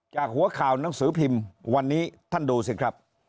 หัวข่าวหนังสือพิมพ์วันนี้ท่านดูสิครับ